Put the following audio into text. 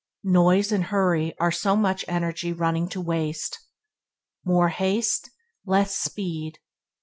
Noise and hurry are so much energy running to waste. "More haste, less speed".